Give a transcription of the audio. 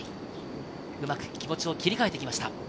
うまく気持ちを切り替えてきました。